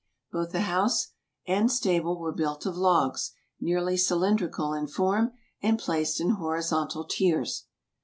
Both the house and stable were built of logs, nearly cylindrical in form, and placed in horizontal tiers.